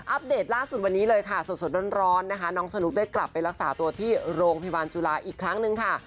อัปเดตสุดเวลานี้เลยสดแรงน้องสนุกได้กลับไปรักษาตัวที่โรงพยาบาลจุฬาอีกครั้งหนึ่งค่ะ